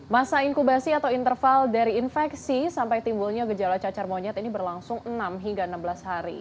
masa inkubasi atau interval dari infeksi sampai timbulnya gejala cacar monyet ini berlangsung enam hingga enam belas hari